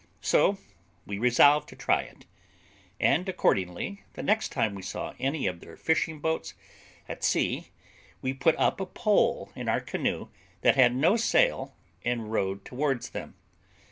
So we resolved to try it; and accordingly the next time we saw any of their fishing boats at sea we put up a pole in our canoe that had no sail, and rowed towards them.